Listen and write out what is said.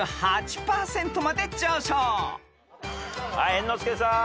猿之助さん。